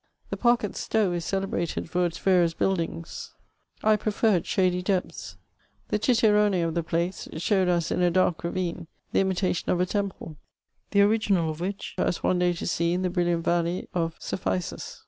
The park at Stowe is celebrated for its yanoos building; I prefer its shady depths. The cicerone of the place Aowed us, in a daik rayine, the imitation of a temfde, tiie original d which I was one day to see in the brilliant yalley of Cephisas.